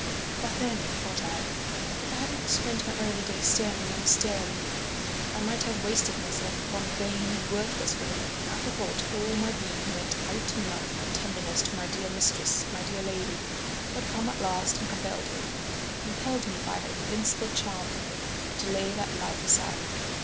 But then, thought I, if I had not spent my early days sternly and austerely, I might have wasted myself upon vain and worthless women, and at the thought all my being went out in love and tenderness to my dear mistress, my dear lady, who had come at last and compelled me—compelled me by her invincible charm for me—to lay that life aside.